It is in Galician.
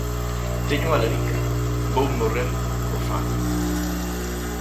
Teño unha larica! Vou morrer coa fame!